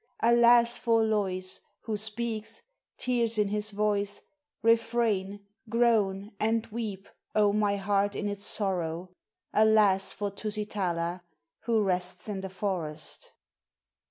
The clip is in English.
Alas! for Lois who speaks, tears in his voice, Refrain, groan, and weep, oh, my heart in its sorrow! Alas! for Tusitala who rests in the forest.